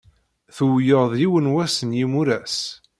Tuwyeḍ yiwen wass n yimuras.